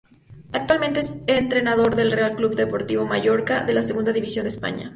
Actualmente es entrenador del Real Club Deportivo Mallorca de la Segunda División de España.